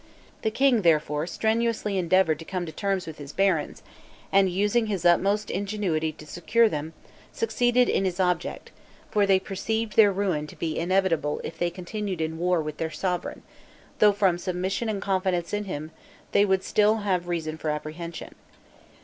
The king, therefore, strenuously endeavored to come to terms with his barons, and using his utmost ingenuity to secure them, succeeded in his object; for they perceived their ruin to be inevitable if they continued in war with their sovereign, though from submission and confidence in him, they would still have reason for apprehension.